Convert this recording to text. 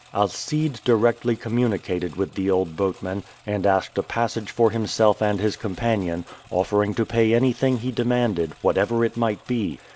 Alcide directly communicated with the old boatman, and asked a passage for himself and his companion, offering to pay anything he demanded, whatever it might be.